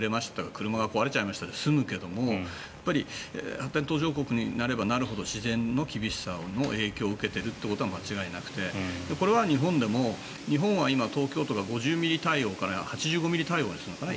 車が壊れましたで済むけども発展途上国になればなるほど自然の厳しさの影響を受けていることは間違いなくて日本は今、東京都が５０ｍｍ対応から８０ｍｍ対応にしたのかな